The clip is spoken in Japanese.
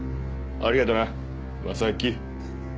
ありがとな征木。